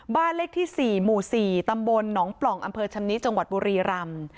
บ้านเลขที่๔หมู่๔ตำบลหนองปล่องอำเภอชำนิจังหวัดบุรีรำ